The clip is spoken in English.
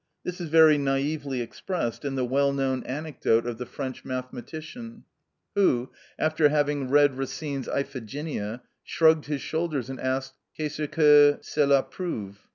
This is very naïvely expressed in the well known anecdote of the French mathematician, who, after having read Racine's "Iphigenia," shrugged his shoulders and asked, "_Qu'est ce que cela prouve?